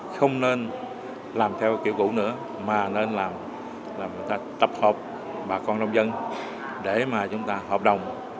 không nên làm theo kiểu cũ nữa mà nên là người ta tập hợp bà con nông dân để mà chúng ta hợp đồng